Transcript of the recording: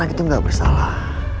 anak itu gak bersalah